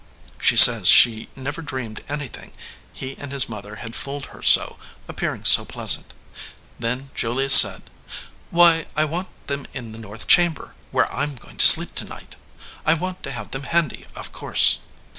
she says she never dreamed anything, he and his mother had fooled her so, appearing so pleasant. Then Julius said, Why, I want them in the north chamber, where I m going to sleep to night. I want to have them handy, of course.